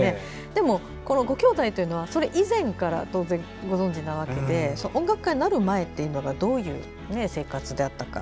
でもご兄弟というのはそれ以前から当然ご存じなわけで音楽家になる前というのがどういう生活であったか。